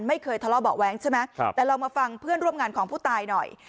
ไม่เคยทะเลาะเบาะแว้งใช่ไหมแต่เรามาฟังเพื่อนร่วมงานของผู้ตายหน่อย